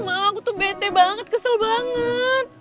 maaf aku tuh bete banget kesel banget